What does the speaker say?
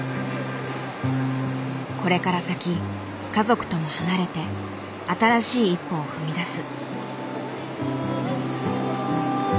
これから先家族とも離れて新しい一歩を踏み出す。